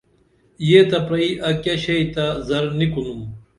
یہ تہ پرئی ائی کیہ شئی تہ ذر نی کُنُم